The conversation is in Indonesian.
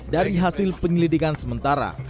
dari hasil penyelidikan sementara